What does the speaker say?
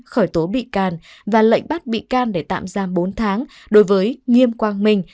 khởi tố bị can và lệnh bắt bị can để tạm giam bốn tháng đối với nghiêm quang minh